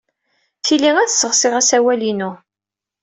Tili ad sseɣsiɣ asawal-inu.